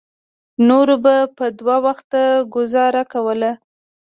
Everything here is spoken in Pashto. نورو به په دوه وخته ګوزاره کوله.